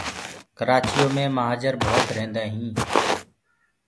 ڪرآچِيو مي مهآجر ڀوت ريهنٚدآ هينٚ